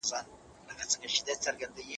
که تعلیم دوام ومومي، ناپوهي نه خپرېږي.